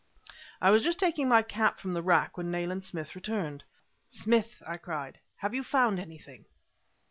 I was just taking my cap from the rack when Nayland Smith returned. "Smith!" I cried "have you found anything?"